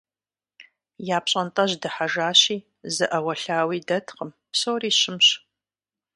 Я пщӀантӀэжь дыхьэжащи зы Ӏэуэлъауи дэткъым, псори щымщ.